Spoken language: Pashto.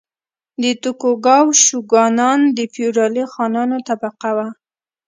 د توکوګاوا شوګانان د فیوډالي خانانو طبقه وه.